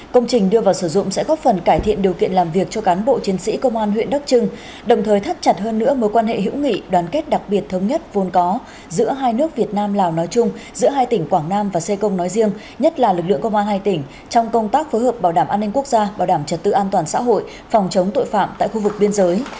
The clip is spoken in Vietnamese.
công trình đưa vào sử dụng sẽ góp phần cải thiện điều kiện làm việc cho cán bộ chiến sĩ công an huyện đắc trưng đồng thời thắt chặt hơn nữa mối quan hệ hữu nghị đoàn kết đặc biệt thống nhất vôn có giữa hai nước việt nam lào nói chung giữa hai tỉnh quảng nam và xê công nói riêng nhất là lực lượng công an hai tỉnh trong công tác phối hợp bảo đảm an ninh quốc gia bảo đảm trật tự an toàn xã hội phòng chống tội phạm tại khu vực biên giới